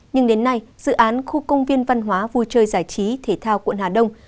nhưng đến nay dự án khu công viên văn hóa vui chơi giải trí thể thao quận hà đông